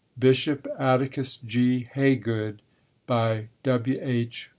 BISHOP ATTICUS G. HAYGOOD W. H.